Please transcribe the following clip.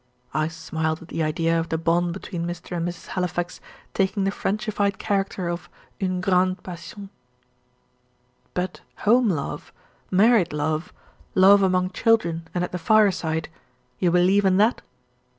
I smiled at the idea of the bond between Mr. and Mrs. Halifax taking the Frenchified character of "une grande passion." "But home love, married love, love among children and at the fire side; you believe in that?"